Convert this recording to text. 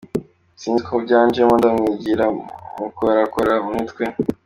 Sinzi uko byanjemo ndamwegera mukorakora mu mutwe.